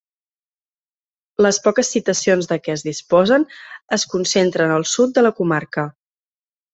Les poques citacions de què es disposen es concentren al sud de la comarca.